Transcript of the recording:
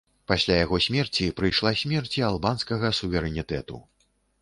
Пасля яго смерці прыйшла смерць і албанскага суверэнітэту.